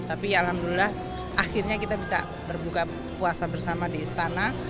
tapi alhamdulillah akhirnya kita bisa berbuka puasa bersama di istana